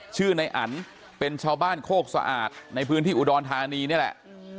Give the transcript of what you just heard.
ชื่อในอันเป็นชาวบ้านโคกสะอาดในพื้นที่อุดรธานีนี่แหละ